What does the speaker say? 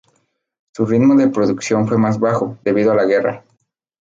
Su ritmo de producción fue más bajo, debido a la guerra.